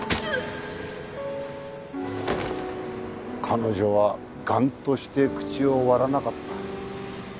彼女は頑として口を割らなかった。